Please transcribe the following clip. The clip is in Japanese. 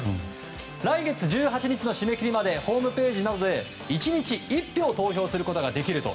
来月１８日の締め切りまでホームページなどで１日１票投票することができると。